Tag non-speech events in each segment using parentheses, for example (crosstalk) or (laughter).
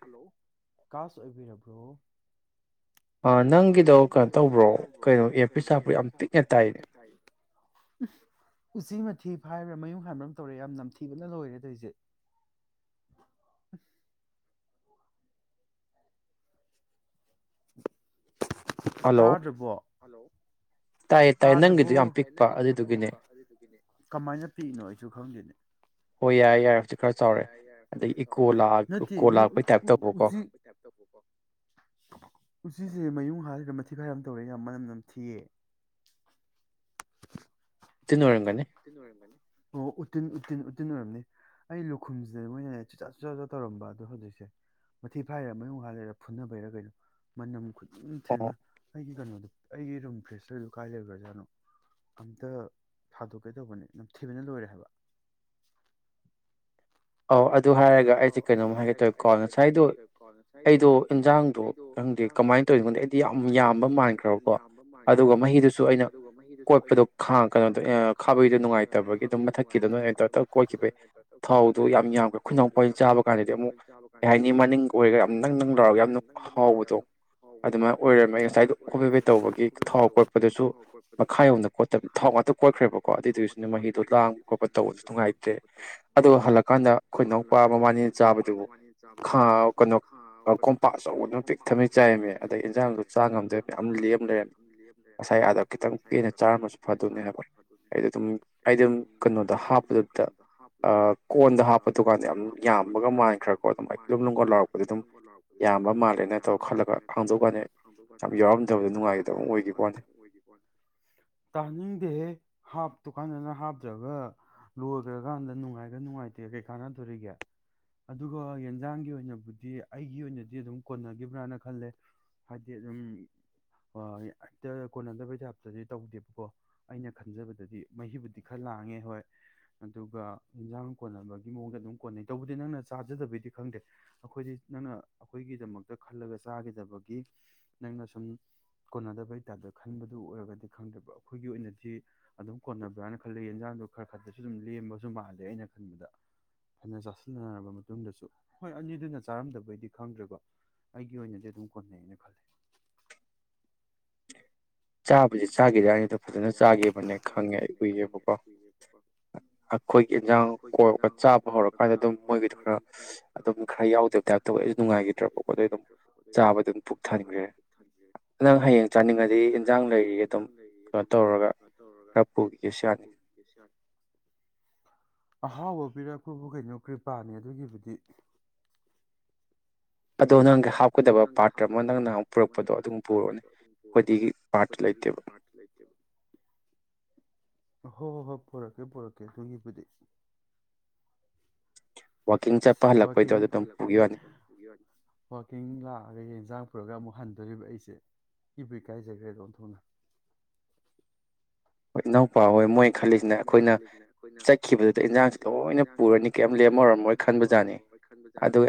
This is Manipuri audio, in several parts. ꯍꯜꯂꯣ ꯀꯥꯁ ꯑꯣꯏꯕꯤꯔꯕ꯭ꯔꯣ ꯅꯪꯒꯤꯗꯣ ꯀꯩꯅꯣ ꯇꯧꯕ꯭ꯔꯣ ꯀꯩꯅ ꯄꯤꯛ ꯊꯤ ꯍꯥꯏꯕ꯭ꯔꯥ ꯃꯌꯨꯡ ꯍꯥꯏꯕ꯭ꯔꯥ ꯑꯃ ꯇꯧꯔꯦ ꯌꯥꯝ ꯅꯝꯊꯤꯕꯅ ꯂꯣꯏꯔꯦ ꯑꯗꯨꯏꯁꯦ (unintelligible) (unintelligible) ꯇꯥꯗ꯭ꯔꯕꯣ ꯍꯜꯂꯣ ꯇꯥꯗꯥꯕꯔꯣ ꯀꯃꯥꯏꯅ ꯄꯤꯛꯏꯅꯣ ꯑꯩꯁꯨ ꯈꯪꯗꯦꯅꯦ ꯅꯠꯇꯦ ꯎꯆ ꯎꯆꯁꯦ ꯃꯌꯨꯡ ꯃꯥꯗ ꯃꯊꯤ ꯐꯥꯏꯔ ꯑꯃ ꯇꯧꯔꯦ ꯌꯥꯝ ꯃꯅꯝ ꯅꯝ ꯊꯤꯑꯦ (unintelligible) ꯇꯤꯅ ꯑꯣꯏꯔꯝꯒꯅꯤ ꯑꯣ ꯎꯇꯤꯟ ꯎꯇꯤꯟ ꯎꯇꯤꯟ ꯑꯣꯏꯔꯝꯅꯤ ꯑꯩ ꯂꯨꯈꯨꯝꯁꯤꯗ ꯃꯣꯏꯅꯅꯦ ꯆꯨꯖꯥꯥꯛ ꯆꯨꯆꯥ ꯆꯥ ꯇꯧꯔꯝꯕ ꯑꯗꯣ ꯍꯧꯖꯤꯛꯁꯦ ꯃꯊꯤ ꯐꯥꯏꯔ ꯃꯌꯨꯡꯈꯥꯜ ꯂꯩꯔ ꯐꯨꯅꯕꯕꯩꯔꯥ ꯀꯩꯅꯣ ꯃꯅꯝ ꯎꯝ ꯊꯤꯅ ꯑꯩꯒꯤ ꯀꯩꯅꯣꯗ ꯑꯩꯒꯤ ꯔꯨꯝ ꯐ꯭ꯔꯦꯁꯅꯔ ꯀꯥꯏ ꯂꯩꯕ꯭ꯔꯥꯖꯥꯠꯅꯣ ꯑꯝꯇ ꯊꯥꯗꯣꯛꯀꯦ ꯇꯧꯕꯅꯦ ꯅꯝꯊꯤꯕꯅ ꯂꯣꯏꯔꯦ ꯍꯥꯏꯕ ꯑꯣ ꯑꯗꯨ ꯑꯗꯨ ꯍꯥꯏꯔꯒ ꯑꯩꯁꯦ ꯀꯩꯅꯣꯝ ꯍꯥꯏꯒꯦ ꯇꯧꯋꯦꯀꯣ ꯉꯁꯥꯏꯗꯣ ꯑꯩꯗꯣ ꯏꯟꯖꯥꯡꯗꯣ ꯈꯪꯗꯦ ꯀꯃꯥꯏꯅ ꯇꯧꯔꯤꯣ ꯈꯪꯗꯦ ꯑꯩꯗꯤ ꯌꯥꯝ ꯌꯥꯝꯕ ꯃꯥꯟꯈ꯭ꯔꯕꯀꯣ ꯑꯗꯨꯒ ꯃꯍꯤꯗꯨꯁꯨ ꯑꯩꯅ ꯀꯣꯠꯄꯗꯣ ꯀꯩꯅꯣꯗꯣ ꯈꯥꯕꯩꯗꯣ ꯅꯨꯡꯉꯥꯏꯇꯕꯒꯤ ꯑꯗꯨꯝ ꯃꯊꯛꯈꯤꯗꯅꯣ ꯇ ꯀꯣꯏꯠꯈꯤꯕꯒꯤ ꯊꯥꯎ ꯑꯗꯣ ꯌꯥꯝꯈ꯭ꯔ ꯈꯨꯅꯥꯎ ꯑꯩꯈꯣꯏꯅ ꯆꯥꯕ ꯀꯥꯟꯗꯗꯤ ꯑꯃꯨꯛ ꯀꯩ ꯍꯥꯏꯅꯤ ꯃꯅꯤꯡ ꯑꯣꯏꯔꯒ ꯌꯥꯝ ꯅꯪ ꯅꯪ ꯂꯥꯎꯔꯒ ꯌꯥꯝꯅ ꯍꯥꯎꯕꯗꯣ ꯑꯗꯨꯃꯥꯏꯅ ꯑꯣꯏꯔꯃꯦ ꯉꯁꯥꯏꯗꯣ ꯍꯣꯄꯦꯕꯦ ꯇꯧꯕꯒꯤ ꯊꯥꯎ ꯀꯣꯠꯄꯗꯨꯁꯨ ꯃꯈꯥ ꯌꯣꯗ ꯀꯣꯠꯇꯕ ꯊꯥꯎ ꯉꯥꯛꯇ ꯀꯣꯠꯈ꯭ꯔꯦꯕꯀꯣ ꯑꯗꯨꯏꯗꯨꯒꯤꯁꯨꯅ ꯃꯍꯤꯗꯣ ꯂꯥꯡꯕ ꯈꯣꯠꯄ ꯇꯧꯕꯗꯨꯁꯨ ꯅꯨꯡꯉꯥꯏꯇ꯭ꯔꯦ ꯑꯣ ꯍꯜꯛꯄ ꯀꯥꯟꯗ ꯑꯩꯈꯣꯏꯅꯧꯄꯥ ꯑꯩꯗ ꯑꯩꯈꯣꯏꯅꯄꯥ ꯃꯃꯥꯅꯤ ꯏꯟꯖꯥꯡꯗꯨ ꯀꯩꯅꯣ ꯀꯣꯝꯄꯥꯛ ꯑꯆꯧꯕ ꯑꯗꯨꯝ ꯄꯤꯛꯇꯅꯩ ꯆꯥꯏꯔꯃꯤꯅꯦ ꯑꯗꯩ ꯏꯟꯖꯥꯡꯗ ꯆꯥ ꯉꯝꯖ ꯌꯥꯝ ꯂꯦꯝꯗꯦ ꯉꯁꯥ ꯑꯥꯗ ꯈꯤꯇꯪ ꯄꯦꯛꯅ ꯆꯥꯔꯒꯁꯨ ꯐꯗꯣꯏꯅꯤꯅ ꯑꯩ ꯑꯗꯨꯝ ꯑꯩꯗꯤ ꯑꯗꯨꯝ ꯀꯩꯅꯣꯗ ꯍꯥꯞꯂꯗ ꯀꯣꯟꯗ ꯍꯥꯄꯨ ꯗꯨꯒ ꯀꯣꯟꯗ ꯍꯥꯞꯄ ꯗꯨꯀꯥꯟꯗ ꯌꯥꯝ ꯌꯥꯝꯕꯒ ꯃꯥꯟꯈ꯭ꯔꯣ ꯑꯗꯨꯥꯎꯔꯛꯄꯗ ꯑꯗꯨꯝ ꯌꯥꯝꯕ ꯃꯥꯜꯂꯦꯅꯧ ꯈꯜꯂ ꯈꯗꯅꯦ ꯌꯥꯎꯔꯝꯗ ꯅꯨꯡꯉꯥꯏ ꯑꯣꯏ ꯇꯅꯤꯡꯗꯦ ꯗꯨꯀꯥꯟꯗꯅ ꯍꯥꯞꯇ꯭ꯔꯒ ꯂꯣꯏꯈ꯭ꯔ ꯀꯥꯟꯗ ꯅꯨꯡꯉꯥꯏꯈ꯭ꯔ ꯅꯨꯡꯉꯥꯏꯇꯦ ꯀꯩꯀꯥꯟꯅ ꯠꯇꯣꯔꯤꯒꯦ ꯑꯗꯨꯒ ꯌꯦꯟꯖꯥꯡꯒꯤ ꯑꯣꯏꯅꯕꯨꯗꯤ ꯑꯩꯒꯤ ꯑꯣꯏꯅꯗꯤ ꯑꯗꯨꯝ ꯀꯣꯟꯅꯈꯤꯕ꯭ꯔꯅ ꯈꯜꯂꯦ ꯍꯥꯏꯗꯤ ꯑꯗꯨꯝ ꯍꯛꯇ ꯀꯣꯟꯅꯗꯕꯩ ꯇꯥꯏꯞꯇꯗꯤ ꯇꯧꯗꯦꯕꯀꯣ ꯑꯩꯅ ꯈꯟꯖꯕꯗꯗꯤ ꯃꯍꯤꯕꯨꯗꯤ ꯈꯔ ꯂꯥꯡꯉꯦ ꯍꯣꯏ ꯑꯗꯨꯒ ꯌꯦꯟꯖꯥꯡ ꯀꯣꯟꯅꯕꯒꯤ ꯃꯑꯣꯡꯗ ꯑꯗꯨꯝ ꯀꯣꯟꯅꯩ ꯇꯧꯕꯗꯤ ꯅꯪꯅ ꯆꯥꯖꯗꯕꯩꯗꯤ ꯈꯪꯗꯦ ꯑꯩꯈꯣꯏꯗꯤ ꯅꯪꯅ ꯑꯩꯈꯣꯏꯒꯤꯗꯃꯛꯇ ꯈꯜꯂꯒ ꯆꯥꯈꯤꯗꯕꯒꯤ ꯅꯪꯅ ꯁꯨꯝ ꯀꯣꯟꯅꯗꯕꯩ ꯇꯥꯏꯞꯇ ꯈꯟꯕꯗꯨ ꯑꯣꯏꯔꯒꯗꯤ ꯈꯪꯗꯕ ꯑꯩꯈꯣꯏꯒꯤ ꯑꯣꯏꯅꯗꯤ ꯑꯗꯨꯝ ꯀꯣꯟꯅꯕ꯭ꯔꯥꯅ ꯈꯜꯂꯦ ꯌꯦꯟꯖꯥꯡꯗꯣ ꯈꯔ ꯈꯔꯗꯁꯨ ꯑꯗꯨꯝ ꯂꯦꯝꯕꯁꯨ ꯃꯥꯜꯂꯦ ꯑꯩꯅ ꯈꯟꯕꯗ ꯐꯅ ꯆꯥꯁꯤꯟꯅꯔꯕ ꯃꯇꯨꯡꯗꯁꯨ ꯍꯣꯏ ꯑꯅꯤꯗꯨꯅ ꯆꯥꯔꯝꯗꯕꯩꯗꯤ ꯈꯪꯗ꯭ꯔꯦꯀꯣ ꯑꯩꯒꯤ ꯑꯣꯏꯅꯗꯤ ꯑꯗꯨꯝ ꯀꯣꯟꯅꯩꯅ ꯈꯜꯂꯤꯦ ꯆꯥꯁꯦ ꯆꯥꯒꯗ ꯍꯥꯏꯅꯤꯗ ꯐꯖꯅ ꯆꯥꯈꯤꯕꯅꯦ ꯈꯪꯉꯦ ꯑꯩ ꯎꯨꯏꯌꯦꯦꯕꯀꯣ ꯑꯩꯈꯣꯏꯒꯤ ꯏꯟꯖꯥꯡ ꯀꯣꯏꯒ ꯆꯥꯕ ꯍꯧꯔꯀꯥꯟꯗ ꯑꯗꯨꯝ ꯃꯣꯏꯒꯤꯗꯣ ꯈꯔ ꯑꯗꯨꯝ ꯈꯔ ꯌꯥꯎꯗꯕ ꯇꯥꯏꯞ ꯇꯧꯋꯦ ꯑꯩꯁꯨ ꯅꯨꯡꯉꯥꯏꯈꯤꯗ꯭ꯔꯕꯀꯣ ꯑꯗꯨ ꯑꯗꯨꯝ ꯆꯥꯕꯗ ꯑꯗꯨꯝ ꯄꯨꯛ ꯊꯥꯟꯈ꯭ꯔꯦ ꯆꯥꯅꯤꯡꯉꯗꯤ ꯌꯦꯟꯖꯥꯡ ꯂꯩꯔꯤꯒ ꯌꯦꯟꯖꯥꯡ ꯂꯩꯔꯤ ꯑꯗꯨꯝ ꯀꯩꯅꯣ ꯇꯧꯔꯒ ꯈꯔ ꯄꯨꯈꯤꯒꯦꯁꯨ ꯌꯥꯅꯤ ꯑꯍꯥꯎꯕ ꯄꯤꯔꯛꯄꯕꯨ ꯀꯩꯅꯣ ꯀ꯭ꯔꯤꯄꯥꯅꯤ ꯑꯗꯨꯒꯤꯕꯨꯗꯤ ꯑꯗꯣ ꯅꯪꯒꯤ ꯍꯥꯞꯀꯗꯕ ꯄꯥꯔꯇ꯭ꯔ ꯑꯃ ꯅꯪ ꯅ ꯄꯨꯔꯛꯄꯗꯣ ꯑꯗꯨꯝ ꯄꯨꯔꯛꯣꯅꯦ ꯑꯩꯈꯣꯏꯒꯤ ꯄꯥꯔꯠꯇ ꯂꯩꯇꯦꯕ ꯍꯣꯏ ꯍꯣꯏ ꯍꯣꯏ ꯄꯔꯛꯀꯦ ꯄꯣꯔꯛꯀꯦ ꯑꯗꯨꯒꯤꯕꯨꯗꯤ ꯋꯥꯋꯥꯛꯀꯤꯡ ꯂꯥꯛꯑꯒ ꯌꯦꯟꯖꯥꯡ ꯄꯨꯔꯒ ꯑꯃꯨꯛ ꯍꯟꯗꯣꯔꯤꯕ ꯑꯩꯁꯦ ꯏꯕꯨ ꯏ ꯀꯥꯏꯖꯈ꯭ꯔꯦꯗꯝ ꯊꯣꯛꯅ ꯏꯅꯧꯄꯥ ꯍꯣꯏ ꯃꯣꯏꯅ ꯈꯜꯂꯤꯁꯤꯅ ꯑꯩꯈꯣꯏꯅ ꯆꯠꯈꯤꯕꯗꯨꯗ ꯏꯟꯖꯥꯡꯁꯤ ꯂꯣꯏꯅ ꯄꯨꯔꯅꯤ ꯀꯔꯤꯝ ꯂꯦꯝꯃꯔꯝꯃꯣ ꯈꯟꯕꯖꯥꯠꯅꯤ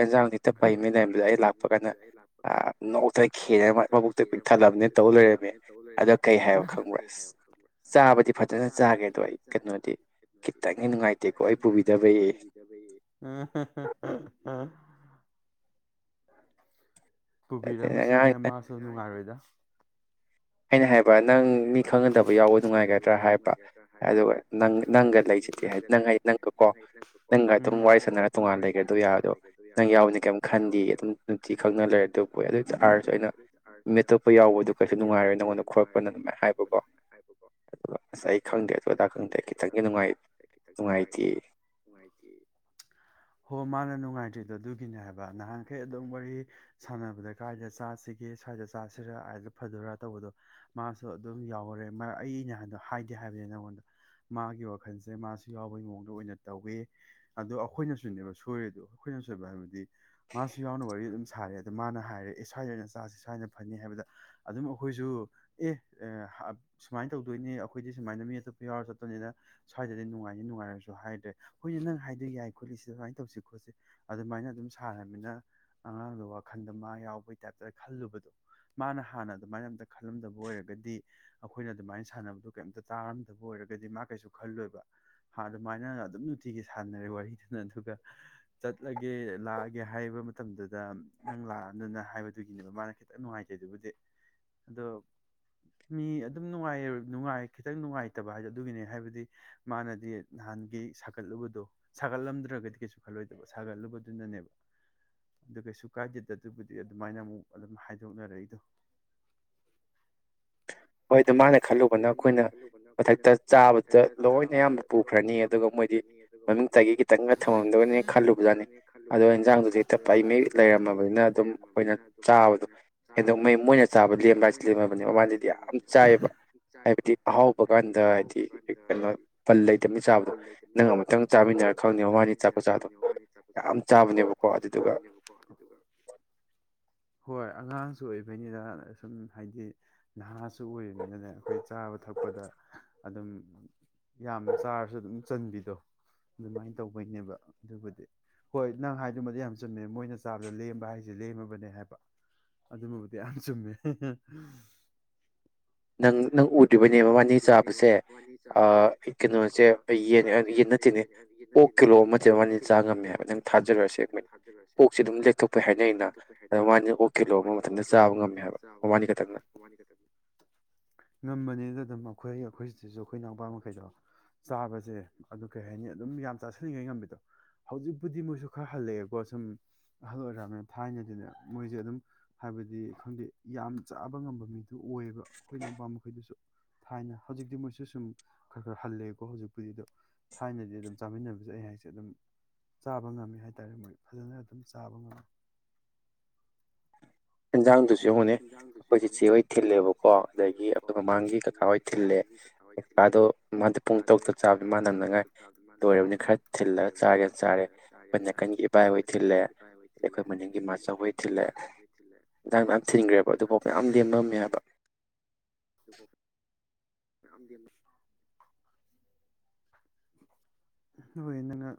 ꯑꯗꯨꯒ ꯏꯟꯖꯥꯡꯁꯤꯛꯇ ꯐꯩꯉꯩꯗꯗꯨꯗ ꯑꯩ ꯂꯥꯛꯄ ꯀꯗꯧꯇ ꯈꯦꯔꯒ ꯃꯕꯨꯛꯇ ꯄꯟꯊꯠꯂꯕꯅꯤ ꯇꯧ ꯂꯩꯔꯅꯤ ꯑꯗꯨ ꯀꯩ ꯍꯥꯏ ꯈꯪꯕ꯭ꯔꯥ (unintelligible) ꯆꯥꯕꯗꯤ ꯐꯖꯅ ꯆꯥꯒꯦꯗꯣ ꯑꯩ ꯀꯩꯅꯣꯗꯤ ꯈꯤꯇꯪ ꯅꯨꯡꯉꯥꯏꯇꯦꯀꯣ ꯑꯩ ꯄꯨꯗꯕ ꯄꯨꯕꯤꯔꯝꯃꯁꯨꯅꯦ ꯃꯥꯁꯨ ꯅꯨꯡꯉꯥꯏꯔꯣꯏꯗ ꯍꯅ ꯍꯥꯏ ꯑꯩꯅ ꯍꯥꯏꯕ ꯅꯪ ꯃꯤ ꯈꯪꯅꯗꯕ ꯌꯥꯎꯕ ꯅꯨꯡꯉꯥꯏꯒꯗ꯭ꯔꯥ ꯍꯥꯏꯕ ꯑꯗꯨꯒꯪ ꯅꯪꯒ ꯂꯩꯁꯤꯗꯤꯦ ꯅꯪ ꯅꯪꯀꯣ ꯅꯪꯒ ꯑꯗꯨꯝ ꯋꯥꯔꯤ ꯁꯥꯟꯅꯔ ꯇꯣꯉꯥꯟꯅ ꯂꯩꯒꯗꯕ ꯌꯥ ꯑꯗꯣ ꯅꯪ ꯌꯥꯎꯅꯤ ꯀꯩꯝ ꯈꯟꯈꯤ ꯑꯗꯨꯝ ꯅꯨꯡꯇꯤ ꯈꯪꯅ ꯂꯩꯔꯛꯇꯥ ꯑꯣꯏꯅꯣꯞꯄ ꯌꯥꯎꯕ ꯉ ꯈꯄ ꯍꯥꯏꯕꯀꯣ ꯑꯗꯨꯒ ꯑꯁ ꯑꯩ ꯈꯪꯗꯦ ꯑꯗꯨ ꯑꯗꯥ ꯈꯪꯗꯦ ꯑꯩ ꯈꯤꯇꯪꯗꯤ ꯅꯨꯡꯉꯥꯏꯇꯦ ꯅꯨꯡꯉꯥꯏꯇ꯭ꯔꯤꯗꯣ ꯑꯗꯨꯒꯤꯅꯦ ꯍꯥꯏꯕ ꯅꯍꯥꯟꯈꯩ ꯑꯗꯨꯝ ꯋꯥꯔꯤ ꯁꯥꯟꯅꯕꯗ ꯀꯥꯏꯗ ꯆꯥꯁꯤꯒꯦ ꯁ꯭ꯋꯥꯏꯗ ꯆꯥꯁꯤꯔꯥ ꯑꯗ ꯐꯗꯣꯏꯔꯥ ꯇꯧꯕꯗꯣ ꯃꯥꯁꯨ ꯑꯗꯨꯝ ꯌꯥꯎꯈꯔꯦ ꯑꯩ ꯅꯍꯥꯟꯗ ꯍꯥꯏꯗꯦ ꯍꯥꯏꯕꯅꯤ ꯅꯉꯣꯟꯗ ꯃꯥꯒꯤ ꯋꯥꯈꯜꯁꯦ ꯃꯥꯁꯨ ꯌꯥꯎꯕꯒꯤ ꯃꯑꯣꯡꯗ ꯑꯣꯏꯅ ꯇꯧꯋꯦ ꯑꯗꯣ ꯑꯩꯈꯣꯏꯅꯁꯨꯅꯦꯕ ꯁꯣꯏꯔꯦꯗ ꯑꯩꯈꯣꯏꯅ ꯁꯣꯏꯕ ꯍꯥꯏꯕꯗꯤ ꯃꯥꯁꯨ ꯌꯥꯎꯅ ꯋꯥꯔꯤ ꯑꯗꯨꯝ ꯁꯥꯔꯦ ꯑꯗ ꯃꯥꯅ ꯍꯥꯏꯔꯦ ꯑꯦ ꯁ꯭ꯋꯥꯏꯗ ꯑꯣꯏꯅ ꯆꯥꯁꯦ ꯁ꯭ꯋꯥꯏꯅ ꯐꯅꯤ ꯍꯥꯏꯕꯗ ꯑꯗꯨꯝ ꯑꯩꯈꯣꯏꯁꯨ ꯑꯦ ꯁꯨꯃꯥꯏꯅ ꯇꯧꯗꯣꯏꯅꯦ ꯑꯩꯈꯣꯏꯗꯤ ꯁꯨꯃꯥꯏꯅ ꯃꯤ ꯑꯇꯣꯞꯄ ꯌꯥꯎꯔ ꯆꯠꯇꯅꯤꯅ ꯁ꯭ꯋꯥꯏꯗꯗꯤ ꯅꯨꯡꯉꯥꯏꯅꯤ ꯅꯨꯡꯉꯥꯏꯔꯁꯨ ꯍꯥꯏꯗ꯭ꯔꯦ ꯍꯖꯤꯣꯏꯗꯤ ꯅꯪ ꯍꯥꯏꯗꯤ ꯌꯥꯏ ꯈꯣꯠꯂꯤꯁꯤꯗ ꯁꯨꯃꯥꯏꯅ ꯇꯧꯁꯤ ꯈꯣꯠꯁꯤ ꯑꯗꯨꯃꯥꯏꯅ ꯑꯗꯨꯝ ꯁꯥꯥꯟꯔꯕꯅꯤꯅ ꯑꯉꯥꯡꯗꯣ ꯋꯥꯈꯜꯗ ꯃꯥ ꯌꯥꯎꯕꯒꯤꯩ ꯇꯥꯏꯞꯇ ꯈꯜꯂꯨꯕꯗꯣ ꯃꯥꯅ ꯍꯥꯟꯅ ꯑꯗꯨꯃꯥꯏꯅ ꯑꯝꯇ ꯈꯜꯂꯝꯗꯕ ꯑꯣꯏꯔꯒꯗꯤ ꯑꯩꯈꯣꯏꯅ ꯑꯗꯨꯃꯥꯏꯅ ꯁꯥꯟꯅꯕ ꯀ ꯇꯥꯔꯝꯗꯕ ꯑꯣꯏꯔꯒꯗꯤ ꯃꯥ ꯀꯩꯁꯨ ꯈꯜꯂꯣꯏꯕ ꯑꯗꯨꯃꯥꯏꯅ ꯑꯗꯨꯝ ꯁꯤꯒꯤ ꯁꯥꯟꯅꯔꯦ ꯋꯥꯔꯤꯗꯨꯅ ꯑꯗꯨꯒ ꯆꯠꯂꯒꯦ ꯂꯑꯒꯦ ꯍꯥꯏꯕ ꯃꯇꯝꯗꯨꯗ ꯅꯪ ꯂꯥꯛꯑꯅꯤꯅ ꯍꯥꯏꯕꯗꯨꯒꯤꯅꯦꯕ ꯃꯥꯅ ꯈꯤꯇꯪ ꯅꯨꯡꯉꯥꯏꯖꯩ ꯑꯗꯨꯕꯨꯗꯤ ꯑꯗꯣ ꯃꯤ ꯑꯗꯨꯝ ꯅꯨꯡꯉꯥꯏ ꯅꯨꯡꯉꯥꯏ ꯈꯤꯇꯪ ꯅꯨꯡꯉꯥꯏꯇꯕ ꯍꯥꯏ ꯑꯗꯨꯒꯤꯅꯦ ꯍꯥꯏꯕꯗꯤ ꯃꯥꯅꯗꯤ ꯅꯍꯥꯟꯒꯤ ꯁꯥꯒꯠꯂꯨꯕꯗꯣ ꯁꯥꯒꯠꯂꯝꯗ꯭ꯔꯒꯗꯤ ꯀꯩꯁꯨ ꯈꯜꯂꯣꯏꯗꯕ ꯁꯥꯒꯠꯂꯨꯕꯗꯨꯅꯅꯦꯕ ꯑꯗꯨ ꯀꯩꯁꯨ ꯀꯥꯏꯗꯦꯗ ꯑꯗꯨꯕꯨꯗꯤ ꯑꯗꯨꯃꯥꯏꯅ ꯑꯃꯨꯛ ꯑꯗꯨꯝ ꯍꯥꯏꯗꯣꯛꯅꯔꯛꯏꯗꯣ ꯍꯣꯏ ꯑꯗꯨ ꯃꯥꯅ ꯈꯜꯂꯨꯕꯅ ꯑꯩꯈꯣꯏꯅ ꯃꯊꯛꯇ ꯆꯥꯕꯗ ꯂꯣꯏꯅ ꯑꯌꯥꯝꯕ ꯄꯨꯈ꯭ꯔꯅꯤ ꯑꯗꯨꯒ ꯃꯣꯏꯗꯤ ꯃꯃꯤꯡꯇꯒꯤ ꯈꯤꯇꯪꯒ ꯊꯝꯃꯝꯗꯕꯅꯤꯅ ꯈꯜꯂꯨꯕꯖꯥꯠꯅꯤ ꯑꯗꯣ ꯏꯟꯖꯥꯡꯗꯨꯁꯨ ꯍꯦꯛꯇ ꯄ ꯑꯩ ꯃ ꯂꯩꯔꯝꯃꯕꯅꯤꯅ ꯑꯗꯨꯝ ꯑꯩꯈꯣꯏꯅ ꯆꯥꯕꯗꯣ ꯍꯦꯟꯗꯣꯛ ꯃꯩ ꯃꯣꯏꯅ ꯆꯥꯕ ꯂꯦꯝꯕ ꯍꯥꯏ ꯂꯦꯝꯃꯕꯅꯤ ꯃꯕꯥꯟꯁꯤꯗꯤ ꯆꯥꯏꯑꯕ ꯆꯥꯏꯑꯕ ꯍꯥꯏꯕꯗꯤ ꯑꯍꯥꯎꯕ ꯀꯥꯟꯗ ꯍꯥꯏꯗꯤ ꯀꯩꯅꯣ ꯄꯟ ꯂꯩꯇꯕꯅꯤ ꯆꯥꯕ ꯅꯪ ꯑꯃꯨꯛꯇꯪ ꯆꯥꯃꯤꯟꯅꯅ ꯈꯪꯉꯕ ꯋꯥꯅꯤ ꯇꯥꯛꯄ ꯆꯥꯗꯣ ꯌꯥꯝ ꯆꯥꯕꯅꯦꯕꯀꯣ ꯑꯗꯨꯗꯨ ꯍꯣꯏ ꯑꯉꯥꯡꯁꯨ ꯑꯣꯏꯕꯩꯅꯤꯗ ꯁꯨꯝ ꯍꯥꯏꯗꯤ ꯅꯍꯥꯁꯨ ꯑꯣꯏꯅꯤꯅꯅꯦ ꯑꯩꯈꯣꯏ ꯆꯥꯕ ꯊꯛꯄꯗ ꯑꯗꯨꯝ ꯌꯥꯝ ꯆꯥꯔꯁꯨ ꯑꯗꯨꯝ ꯆꯟꯕꯤꯗꯣ ꯑꯗꯨꯃꯥꯏꯅ ꯇꯧꯕꯩꯅꯦꯕ ꯑꯗꯨꯕꯨꯗꯤ ꯍꯣꯏ ꯅꯪ ꯍꯥꯏꯗꯨꯃꯗꯤ ꯌꯥꯝ ꯆꯨꯝꯃꯦ ꯃꯣꯏꯅ ꯆꯥꯕꯗ ꯂꯦꯝꯕ ꯍꯥꯏꯁꯦ ꯂꯦꯝꯃꯕꯅꯦ ꯍꯥꯏꯕ ꯑꯗꯨꯃꯕꯨꯗꯤ ꯌꯥꯝ ꯆꯨꯝꯃꯦ ꯅꯪ ꯅꯪ ꯎꯗ꯭ꯔꯤꯕꯅꯦ ꯃꯕꯥꯅꯤ ꯆꯥꯕꯁꯦ ꯀꯩꯅꯣꯁꯦ ꯌꯦꯟ ꯅꯠꯇꯦꯅꯦ ꯑꯣꯛ ꯀꯤꯂꯣ ꯑꯃꯦ ꯃꯕꯥꯅꯤ ꯆꯥꯕ ꯉꯝꯃꯦ ꯍꯥꯏꯕ ꯅꯪ ꯊꯥꯖꯔꯨꯔ ꯁꯦꯡꯕꯣꯏꯅꯤ ꯑꯣꯛꯁꯦ ꯑꯗꯨꯝ ꯂꯦꯛꯊꯣꯛꯄꯩ ꯍꯥꯏꯅꯩꯩꯅ ꯃꯕꯥꯅꯤ ꯑꯣꯛ ꯀꯤꯂꯣ ꯑꯃ ꯃꯊꯗ ꯆꯥꯕ ꯉꯝꯃꯦ ꯍꯥꯏꯕ ꯃꯕꯥꯅꯤ ꯈꯛꯇꯪꯅ ꯉꯝꯕꯅꯤꯅ ꯑꯗꯨꯝ ꯑꯩꯈꯣꯏ ꯑꯩꯈꯣꯏ ꯁꯤꯗꯁꯨ ꯑꯩꯈꯣꯏ ꯏꯅꯥꯎꯄꯥ ꯃꯈꯩꯗꯣ ꯆꯥꯕꯁꯦ ꯑꯗꯨ ꯀꯩ ꯍꯥꯏꯅꯤ ꯑꯗꯨꯝ ꯌꯥꯝ ꯆꯥꯥꯁꯜꯂꯤꯉꯩ ꯉꯝꯕꯤꯗꯣ ꯍꯧꯖꯤꯛꯄꯨꯗꯤ ꯃꯣꯏꯁꯨ ꯈꯔ ꯍꯜꯂꯛꯑꯦꯀꯣ ꯁꯨꯝ ꯑꯍꯜ ꯑꯣꯏꯔꯕꯔꯕꯅꯤꯅ ꯊꯥꯏꯅꯗꯤꯅ ꯃꯣꯏꯁꯦ ꯑꯗꯨꯝ ꯍꯥꯏꯕꯗꯤ ꯈꯪꯗꯦ ꯌꯥꯝ ꯆꯥꯕ ꯉꯝꯕ ꯃꯤꯗꯨ ꯑꯣꯏꯌꯦꯕ ꯑꯩꯈꯣꯏ ꯏꯅꯥꯎꯄꯥ ꯃꯈꯩ ꯑꯩꯈꯣꯏꯗꯁꯨ ꯊꯥꯏꯅ ꯍꯧꯖꯤꯛꯇꯤ ꯃꯣꯏꯁꯨ ꯁꯨꯝ ꯈꯔ ꯈꯔ ꯍꯜꯂꯦꯦꯀꯣ ꯍꯧꯖꯤꯛꯄꯨꯗꯤ ꯑꯗꯣ ꯊꯥꯏꯅꯗꯤ ꯑꯗꯨꯝ ꯆꯥꯃꯤꯟꯅꯕꯁꯦ ꯑꯩꯍꯥꯛꯁꯦ ꯑꯗꯨꯝ ꯆꯥꯕ ꯉꯝꯃꯦ ꯍꯥꯏꯇꯥꯔꯦ ꯃꯣꯏ ꯐꯖꯅ ꯑꯗꯨꯝ ꯆꯥꯕ ꯉꯝꯃꯦ ꯖꯥꯡ ꯇꯁ ꯌꯦꯡꯉꯣꯅꯦ ꯑꯩꯈꯣꯏ ꯆ ꯏꯆꯦꯍꯣꯏ ꯊꯤꯜꯂꯦꯕꯀꯣ ꯑꯗꯒꯤ ꯑꯩꯈꯣꯏ ꯃꯃꯥꯡꯒꯤ ꯀꯀꯥ ꯍꯣꯏ ꯊꯤꯜꯂꯦꯩ ꯀꯀꯥꯗꯣ ꯃꯥꯗ ꯄꯨꯡ ꯇꯔꯨꯛꯇ ꯆꯥꯕꯅꯤ ꯃꯥ ꯅꯝꯅꯉꯥꯏ ꯂꯣꯏꯔꯕꯅꯤ ꯈꯔ ꯊꯤꯜꯂꯒ ꯆꯥꯒꯦꯅ ꯆꯥꯔꯦ ꯑꯩꯈꯣꯏ ꯅꯥꯀꯟꯒꯤ ꯏꯄꯥ ꯏꯍꯣꯏ ꯊꯤꯜꯂꯦ ꯑꯗꯩ ꯑꯩꯈꯣꯏ ꯃꯅꯤꯡꯒꯤ ꯏꯃꯥꯆꯧꯍꯣꯏ ꯊꯤꯜꯂꯦ ꯊꯤꯟꯈ꯭ꯔꯦꯕ ꯑꯗꯨꯐꯥꯎ ꯃꯌꯥꯝ ꯂꯦꯝꯃꯝꯃꯦ ꯍꯥꯏꯕ ꯍꯣꯏ ꯅꯪꯅ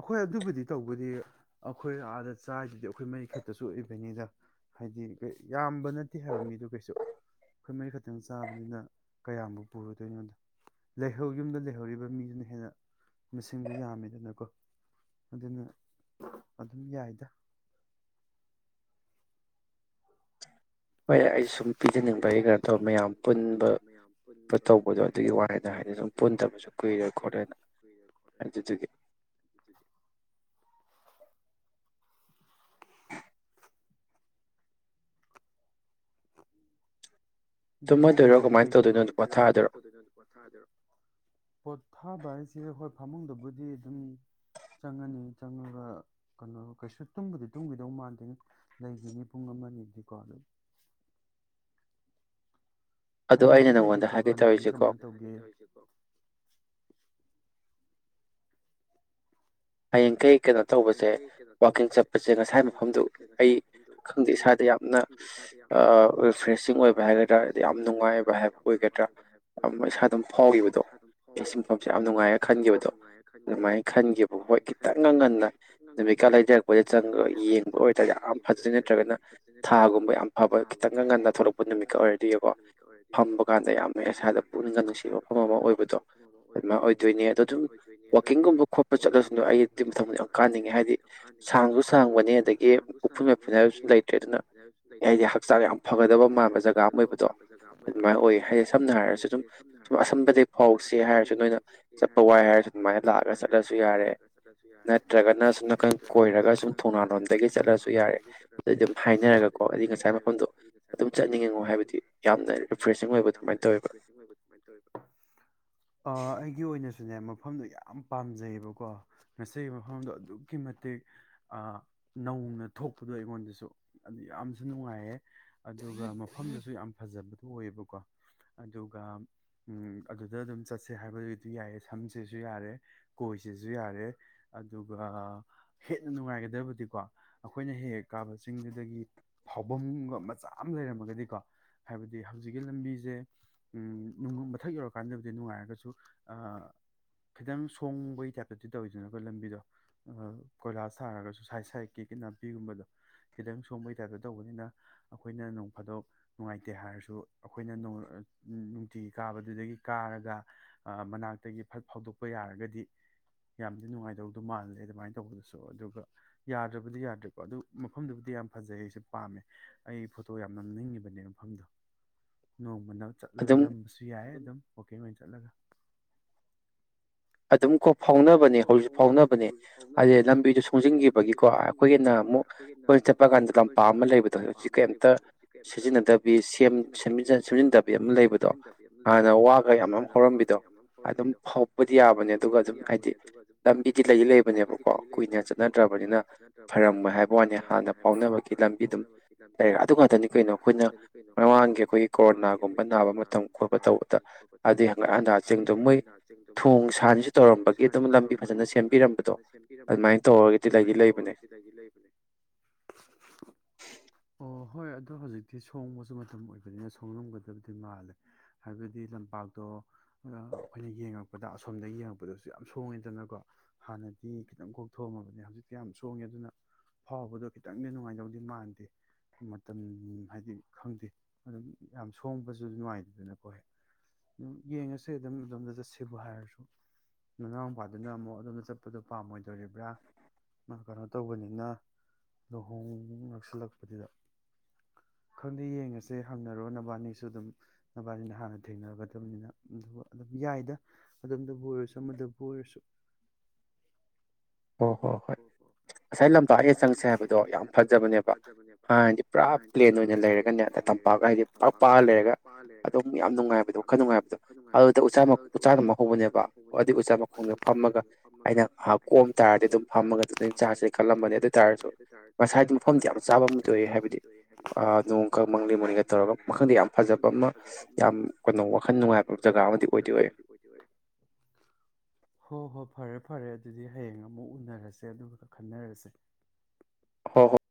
ꯑꯩꯈꯣꯏ ꯑꯗꯨꯕꯨꯗꯤ ꯇꯧꯕꯗꯤ ꯑꯩꯈꯣꯏ ꯑꯥꯗ ꯆꯥꯏꯗꯨꯗꯤ ꯑꯩꯈꯣꯏ ꯃꯔꯤ ꯈꯛꯇꯁꯨ ꯑꯣꯏꯕꯅꯤꯗ ꯍꯥꯏꯗꯤ ꯌꯥꯝꯕ ꯅꯠꯇꯦ ꯍꯥꯏꯕ ꯃꯤꯗꯨ ꯀꯩꯁꯨ ꯑꯩꯈꯣꯏ ꯃꯔꯤ ꯈꯛꯇꯪ ꯆꯥꯕꯅꯤꯅ ꯀꯌꯥꯝꯃꯨꯛ ꯄꯨꯔꯨꯗꯣꯏꯅꯣꯗꯧ ꯌꯨꯝꯗ ꯂꯩꯍꯧꯔꯤꯕ ꯃꯤꯗꯨꯅ ꯍꯦꯟꯅ ꯃꯁꯤꯡꯗꯣ ꯌꯥꯝꯃꯤꯗꯅꯀꯣ ꯑꯗꯨꯅ ꯑꯗꯨꯝ ꯌꯥꯏꯗ ꯍꯣꯏ ꯁꯨꯝ ꯄꯤꯖꯅꯤꯡꯕꯒꯤ ꯀꯩꯅꯣ ꯇꯧꯕ ꯃꯌꯥꯝ ꯄꯨꯟꯕ ꯇꯧꯕꯗꯣ ꯑꯗꯨꯒꯤ ꯋꯥꯅ ꯍꯥꯏꯗꯤ ꯁꯨꯝ ꯄꯨꯟꯗꯕꯁꯨ ꯀꯨꯏꯔꯦ ꯈꯣꯠꯂꯣꯏꯅ ꯑꯗꯨꯗꯨꯒꯤ ꯑꯗꯨꯗꯤ ꯍꯌꯦꯡꯗꯤ ꯀꯩꯣꯏꯅꯣ ꯊꯥꯕ ꯍꯥꯏꯁꯦ ꯍꯣꯏ ꯐꯃꯨꯡꯗꯕꯨꯗꯤ ꯑꯗꯨꯝ ꯆꯪꯉꯅꯤ ꯆꯪꯉꯒ ꯀꯩꯅꯣ ꯀꯩꯁꯨ ꯇꯨꯝꯕꯗꯤ ꯇꯨꯝꯈꯤꯗꯧ ꯃꯥꯟꯗꯦ ꯂꯩꯈꯤꯅꯤ ꯄꯨꯡ ꯑꯃꯅꯤꯗꯤꯀꯣ ꯑꯗꯨꯝ ꯍꯌꯦꯡꯗꯤ ꯀꯩꯀꯩ ꯄ꯭ꯔꯣꯒꯥꯥꯝ ꯂꯩꯒꯦ ꯀꯃꯥꯏꯅ ꯇꯧꯒꯦ ꯍꯌꯦꯡ ꯀꯥꯏ ꯀꯩꯅꯣ ꯇꯧꯕꯁꯦ ꯋꯥꯋꯀꯤꯡ ꯆꯠꯄꯁꯦ ꯉꯁꯥꯏ ꯃꯐꯝꯗꯨ ꯑꯩ ꯈꯪꯗꯦ ꯏꯁꯥꯗ ꯌꯥꯝꯅ ꯔꯤꯐ꯭ꯔꯦꯁꯤꯡ ꯑꯣꯏꯕ ꯍꯥꯏꯒꯗ꯭ꯔꯥ ꯑꯗ ꯌꯥꯝ ꯅꯨꯡꯉꯥꯏꯕ ꯍꯥꯏꯕ ꯑꯣꯏꯒꯗ꯭ꯔꯥ ꯌꯥꯝ ꯏꯁꯥ ꯑꯗꯨꯝ ꯐꯥꯎꯈꯤꯕꯗꯣ ꯑꯩ ꯁꯤ ꯃꯐꯝꯁꯦ ꯌꯥꯝ ꯅꯨꯡꯉꯥꯏꯅ ꯈꯟꯈꯤꯕꯗꯣ ꯑꯗꯨꯃꯥꯏꯅ ꯈꯟꯈꯤꯕ ꯍꯣꯏ ꯈꯤꯇꯪ ꯉꯥꯡꯍꯟꯅ ꯅꯨꯃꯤꯠꯀ ꯂꯩꯖꯔꯛꯄꯗ ꯆꯪꯉꯒ ꯌꯦꯡꯕ ꯑꯣꯏꯇꯥꯔꯗꯤ ꯌꯥꯝ ꯐꯗꯣꯏ ꯅꯠꯇ꯭ꯔꯒꯅ ꯊꯥꯒꯨꯝꯕ ꯌꯥꯝ ꯐꯕ ꯈꯤꯇꯪꯒ ꯉꯟꯅ ꯊꯣꯛꯂꯛꯄ ꯅꯨꯃꯤꯠꯀ ꯑꯣꯏꯔꯗꯤꯣꯏꯌꯦꯀꯣ ꯐꯝꯕ ꯀꯥꯟꯗ ꯌꯥꯝ ꯏꯁꯥꯗ ꯄꯨꯛꯅꯤꯡꯒ ꯅꯨꯡꯁꯤꯕ ꯃꯐꯝ ꯑꯃ ꯑꯣꯏꯕꯗꯣ ꯑꯗꯨꯃꯥꯏꯅ ꯑꯣꯏꯗꯣꯏꯅꯦ ꯑꯗꯣ ꯑꯗꯨꯝ ꯋꯥꯛꯀꯤꯡꯒꯨꯝꯕꯄ ꯆꯠꯂꯁꯅꯨ ꯑꯩꯝ ꯊꯝ ꯀꯥꯅꯤꯡꯉꯦ ꯍꯥꯏꯗꯤ ꯁꯥꯡꯁꯨ ꯁꯥꯡꯕꯅꯤ ꯑꯗꯒꯤ ꯎꯐꯨꯟ ꯃꯐꯨꯟ ꯍꯥꯏꯕ ꯁꯨꯝ ꯂꯩꯇ꯭ꯔꯦ ꯑꯗꯨꯅ ꯍꯥꯏꯗꯤ ꯍꯛꯆꯥꯡ ꯌꯥꯝ ꯐꯒꯗꯕ ꯃꯥꯟꯕ ꯖꯒꯥ ꯑꯃ ꯑꯣꯏꯕꯗꯣ ꯑꯗꯨꯃꯥꯏꯅ ꯑꯣꯏ ꯍꯥꯏꯗꯤ ꯁꯝꯅ ꯍꯥꯏꯔꯁꯨ ꯑꯗꯨꯝ ꯁꯨꯝ ꯑꯁꯝꯕꯗꯒꯤꯩ ꯐꯥꯎꯁꯤꯦ ꯍꯥꯏꯔꯁꯨ ꯅꯣꯏꯅ ꯆꯠꯄ ꯋꯥꯏ ꯍꯥꯏꯔꯁꯨ ꯑꯗꯨꯃꯥꯏꯅ ꯂꯥꯛꯑꯒ ꯆꯠꯄ ꯃ ꯂ ꯑꯒ ꯁꯗꯁ ꯍꯥꯏ ꯅꯠꯇ꯭ꯔꯒꯅ ꯁꯨꯝ ꯀꯣꯏꯔꯒ ꯁꯨꯝ ꯊꯣꯡꯉꯂꯣꯝꯗꯒꯤ ꯆꯠꯂꯁꯨ ꯌꯥꯔꯦ ꯑꯗꯨꯝ ꯍꯥꯏꯅꯔꯒꯀꯣ ꯑꯩ ꯉꯁꯥꯏ ꯃꯐꯝꯗꯣ ꯑꯗꯨꯝ ꯆꯠꯅꯤꯡꯉꯤ ꯍꯥꯏꯕꯗꯤ ꯌꯥꯝꯅ ꯑꯣꯏꯕ ꯑꯗꯨꯃ ꯇꯧꯋ ꯑꯩꯒꯤ ꯑꯣꯏꯅꯁꯨ ꯁꯤꯅꯦ ꯃꯐꯝꯗꯣ ꯌꯥꯝ ꯄꯥꯝꯖꯩꯌꯦꯕꯀꯣ ꯉꯁꯤ ꯃꯐꯝꯗꯣ ꯑꯗꯨꯛꯀꯤ ꯃꯇꯤꯛ ꯅꯧꯅ ꯊꯣꯛꯄꯗꯣ ꯑꯩꯉꯣꯟꯗꯁꯨ ꯑꯗꯨ ꯌꯥꯝꯁꯨ ꯅꯨꯡꯉꯥꯏꯌꯦ ꯑꯗꯨꯒ ꯃꯐꯝꯗꯨꯁꯨ ꯌꯥꯝ ꯐꯖꯕꯗꯣ ꯑꯣꯏꯌꯦꯕꯀꯣ ꯑꯗꯨꯒ ꯑꯗꯨꯗ ꯑꯗꯨꯝ ꯆꯠꯁꯦ ꯍꯥꯏꯕꯗꯨ ꯑꯗꯨ ꯌꯥꯏꯑꯦ ꯁꯝꯁꯤꯁꯨ ꯌꯥꯔꯦ ꯀꯣꯏꯁꯤꯁꯨ ꯌꯥꯔꯦ ꯑꯗꯨꯒ ꯍꯦꯟꯅ ꯅꯨꯡꯉꯥꯏꯒꯗꯕꯗꯤꯀꯣ ꯑꯩꯈꯣꯏꯅ ꯍꯦꯛ ꯍꯦꯛ ꯀꯥꯕ ꯆꯤꯡꯗꯨꯗꯒꯤ ꯐꯥꯎꯐꯝꯒ ꯃꯆꯥ ꯑꯃ ꯂꯩꯔꯝꯃꯒꯗꯤꯀꯣ ꯍꯥꯏꯕꯗꯤ ꯍꯧꯖꯤꯛꯀꯤ ꯂꯝꯕꯤꯁꯦ ꯃꯊꯛ ꯌꯧꯔꯀꯥꯟꯗꯕꯨꯗꯤ ꯅꯨꯡꯉꯥꯏꯔꯒꯁꯨ ꯈꯤꯇꯪ ꯁꯣꯡꯕꯒꯤ ꯇꯥꯏꯞꯇꯗꯤ ꯇꯧꯋꯤꯗꯅ ꯂꯝꯕꯤꯗꯣ ꯀꯣꯏꯂꯥꯁ ꯊꯥꯔꯒꯁꯨ ꯁꯥꯏꯠ ꯁꯥꯏꯠꯀꯤ ꯅꯥꯄꯤꯒꯨꯝꯕꯗꯣ ꯈꯤꯇꯪ ꯁꯣꯕꯒꯤ ꯇꯥꯏꯞꯇ ꯇꯧꯕꯅꯤꯅ ꯑꯩꯈꯣꯏꯅ ꯅꯣꯡ ꯐꯥꯗꯣꯛ ꯅꯨꯡꯉꯥꯏꯇꯦ ꯍꯥꯏꯔꯁꯨ ꯑꯩꯈꯣꯏꯅ ꯅꯨꯡꯇꯤꯒꯤ ꯀꯥꯕꯗꯨꯗꯒꯤ ꯀꯥꯔꯒ ꯃꯅꯥꯛꯇꯒꯤ ꯐꯠ ꯐꯥꯎꯗꯣꯛꯄ ꯌꯥꯔꯒꯗꯤ ꯌꯥꯝ ꯑꯗꯨ ꯅꯨꯡꯉꯥꯏꯗꯧꯗꯣ ꯃꯥꯜꯂꯦ ꯑꯗꯨꯃꯥꯏꯅ ꯇꯧꯕꯗꯨꯁꯨ ꯑꯗꯨꯒ ꯌꯥꯗ꯭ꯔꯕꯗꯤ ꯌꯥꯗ꯭ꯔꯦꯀꯣ ꯑꯗꯨ ꯃꯐꯝꯗꯨꯕꯨꯗꯤ ꯌꯥꯝ ꯐꯖꯩ ꯑꯩꯁꯨ ꯄꯥꯝꯃꯦ ꯑꯩ ꯐꯣꯇꯣ ꯌꯥꯝ ꯅꯝꯅꯤꯡꯉꯤꯕꯅꯦ ꯃꯐꯝꯗꯣ ꯃ ꯆꯠꯂꯒ ꯅꯝꯕꯁꯨ ꯌꯥꯏ ꯑꯗꯨꯝ ꯑꯣꯀꯦ ꯃꯤ ꯆꯠꯂꯒ ꯑꯗꯨꯝ ꯐꯥꯎꯅꯕꯅꯦ ꯍꯧꯖꯤꯛ ꯐꯥꯎꯅꯕꯅꯦ ꯍꯥꯏꯗꯤ ꯂꯝꯕꯤꯗꯣ ꯁꯣꯡꯖꯤꯟꯈꯤꯕꯒꯤꯀꯣ ꯑꯩꯈꯣꯏꯒꯤꯅ ꯑꯃꯨꯛ ꯑꯩꯈꯣꯏꯅ ꯆꯠꯄ ꯀꯥꯟꯗ ꯂꯝꯄꯥꯛ ꯑꯃ ꯂꯩꯕꯗꯣ ꯍꯧꯖꯤꯛ ꯀꯩꯝꯇ ꯁꯤꯖꯤꯟꯅꯗꯕꯤ ꯁꯦꯝꯖꯤꯟꯗꯕꯤ ꯑꯃ ꯂꯩꯕꯗꯣ ꯍꯥꯟꯅ ꯋꯥꯒ ꯌꯥꯝ ꯑꯃ ꯍꯧꯔꯝꯕꯤꯗꯣ ꯑꯗꯨꯝ ꯌꯥꯌꯥꯕꯅꯦꯦ ꯗꯤ ꯌꯥꯕꯅꯦ ꯑꯗꯨꯒ ꯑꯗꯨꯝ ꯍꯥꯏꯗꯤ ꯂꯝꯕꯤꯗꯤ ꯂꯩꯗꯤ ꯂꯩꯕꯅꯦꯕꯀꯣ ꯀꯨꯏꯅ ꯆꯠꯅꯗ꯭ꯔꯕꯅꯤꯅ ꯐꯔꯝꯃ ꯍꯥꯏꯕ ꯋꯥꯅꯤ ꯍꯥꯟꯅ ꯐꯥꯎꯅꯕꯒꯤ ꯂꯝꯕꯤ ꯑꯗꯨꯝ ꯂꯩꯔ ꯑꯗꯨ ꯉꯥꯛꯇꯅꯤ ꯀꯩꯅꯣ ꯑꯩꯈꯣꯏꯅ ꯃꯃꯥꯡꯒꯤ ꯑꯩꯈꯣꯏꯒꯤ ꯀꯣꯔꯣꯅꯥꯒꯨꯝꯕ ꯅꯥꯕ ꯃꯇꯝ ꯈꯣꯠꯄ ꯇꯧꯕꯗ ꯑꯗꯨ ꯍꯦꯟꯒꯠꯑꯥꯟꯗ ꯆꯤꯡꯗꯣ ꯃꯣꯏ ꯁꯥ ꯊꯣꯡ ꯁꯥꯟꯁꯨ ꯇꯧꯔꯝꯕꯒꯤ ꯑꯗꯨꯝ ꯂꯝꯕꯤ ꯐꯖꯅ ꯁꯦꯝꯕꯤꯔꯝꯕꯗꯣ ꯑꯗꯨꯃꯥꯏꯅ ꯇꯧꯔꯒꯗꯤꯗꯤ ꯂꯩꯕꯅꯦ ꯑꯣ ꯍꯣꯏ ꯑꯗꯣ ꯍꯧꯖꯤꯛꯇꯤ ꯁꯣꯡꯕꯁꯨ ꯃꯇꯝ ꯑꯣꯏꯕꯅꯤꯅ ꯁꯣꯉꯝꯒꯗꯕꯗꯤ ꯃꯥꯜꯂꯦ ꯍꯥꯏꯕꯗꯤ ꯂꯝꯄꯥꯛꯇꯣ ꯑꯩꯈꯣꯏꯅ ꯌꯦꯡꯉꯛꯄꯗ ꯑꯁꯣꯝꯗ ꯌꯦꯡꯉꯛꯄ ꯆꯄꯗꯁꯨ ꯌꯥꯝ ꯁꯣꯡꯉꯦꯗꯅꯀꯣ ꯍꯥꯟꯅꯗꯤ ꯈꯤꯇꯪ ꯀꯣꯛ ꯊꯣꯡꯑꯝꯃꯕꯅꯦ ꯍꯧꯖꯤꯛꯇꯤ ꯌꯥꯝ ꯁꯣꯡꯉꯦ ꯑꯗꯨꯅ ꯐꯥꯎꯕꯗꯣ ꯈꯤꯇꯪꯗꯤ ꯅꯨꯡꯉꯥꯏꯗꯧꯗꯤ ꯃꯥꯟꯗꯦ ꯃꯇꯝ ꯍꯥꯏꯗꯤ ꯈꯪꯗꯦ ꯑꯗꯨꯝ ꯌꯥꯝ ꯁꯣꯡꯕꯁꯨ ꯅꯨꯡꯉꯥꯏꯇꯦꯗꯅꯀꯣ ꯍꯦꯛ ꯑꯗꯨꯝ ꯌꯦꯡꯉꯁ ꯑꯗꯨꯝ ꯑꯣꯝꯗ ꯆꯠꯁꯤꯕꯨ ꯍꯥꯏꯔꯁꯨ ꯃꯅꯥꯎꯨꯄꯥꯗꯨꯅ ꯑꯃꯨꯛ ꯑꯗꯨꯝꯗ ꯆꯠꯄꯗꯣ ꯄꯥꯝꯃꯣꯏꯗꯣꯔꯤꯕ꯭ꯔꯥ ꯃꯥ ꯀꯩꯅꯣ ꯇꯧꯕꯅꯤ ꯂꯨꯍꯣꯡ ꯉꯥꯛꯁꯤꯜꯂꯛꯄꯗꯨꯗ ꯈꯪꯗꯦ ꯌꯦꯡꯉꯁꯦ ꯍꯪꯅꯔꯣ ꯅꯕꯥꯅꯤꯁꯨ ꯑꯗꯨꯝ ꯅꯕꯥꯅꯤꯅ ꯍꯥꯟꯅ ꯊꯦꯡꯅꯒꯗꯕꯅꯤꯅ ꯑꯗꯨ ꯑꯗꯨꯝ ꯌꯥꯏꯗ ꯑꯗꯨꯣꯝꯗꯕꯨ ꯑꯣꯏꯔꯁꯨ ꯆꯃꯗꯕ ꯑꯣꯏꯔꯁꯨ ꯍꯣꯏ ꯍꯣꯏ ꯍꯣꯏ ꯉꯁꯥꯏ ꯂꯝꯄꯥꯛ ꯑꯩꯅ ꯆꯪꯁꯦ ꯍꯥꯏꯕꯗꯣ ꯌꯥꯝ ꯐꯖꯕꯅꯦꯕ ꯍꯥꯟꯅꯗꯤ ꯄꯨꯔꯥ ꯄ꯭ꯂꯦꯟ ꯑꯣꯏꯅ ꯂꯩꯔꯒꯅꯦ ꯑ ꯇꯝꯄꯥꯛꯀ ꯍꯥꯏꯗꯤ ꯄꯨꯥꯛ ꯄꯥꯛꯒ ꯂꯩꯔꯒ ꯑꯗꯨꯝ ꯌꯥꯝ ꯅꯨꯡꯉꯥꯏꯕꯗꯣ ꯈꯔ ꯅꯨꯡꯉꯥꯏꯕꯗꯣ ꯑꯗꯨꯗ ꯎ ꯎꯥꯗꯨꯝ ꯍꯧꯕꯅꯦꯕ ꯑꯗꯨꯗꯤ ꯎꯆꯖꯥ ꯃꯈꯣꯡꯗꯣ ꯐꯝꯃꯒ ꯑꯩꯅ ꯉꯍꯥꯛ ꯀꯣꯝ ꯇꯥꯔꯗꯤ ꯑꯗꯨꯝ ꯐꯝꯃꯒ ꯑꯗꯨ ꯆꯥꯔꯖꯁꯦ ꯈꯜꯂꯝꯕꯅꯦ ꯑꯗꯨ ꯑꯣꯏ ꯇꯥꯔꯁꯨ ꯉꯁꯥꯏꯗꯤ ꯃꯐꯝꯗ ꯌꯥꯝ ꯆꯥꯕ ꯑꯃꯗꯤ ꯑꯣꯏ ꯍꯥꯏꯕꯗꯤ ꯅꯣꯡꯒ ꯃꯪꯂꯤꯡ ꯃꯅꯤꯡꯒ ꯇꯧꯔꯒ ꯃꯈꯪꯗ ꯌꯥꯝ ꯐꯖꯕ ꯑꯃ ꯌꯥꯝ ꯀꯩꯅꯣ ꯋꯥꯈꯜ ꯅꯨꯡꯉꯥꯏꯕ ꯖꯒꯥ ꯑꯃꯗꯤ ꯑꯣꯏꯗ ꯑꯣꯏ ꯐꯔꯦ ꯐꯔꯦ ꯑꯗꯨꯗꯤ ꯍꯌꯦꯡ ꯑꯃꯨꯛ ꯎꯅꯔꯒꯦ ꯁꯦ ꯑꯗꯨꯒ ꯈꯟꯅꯔꯁꯦ